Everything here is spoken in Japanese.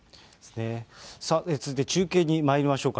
続いて中継にまいりましょうか。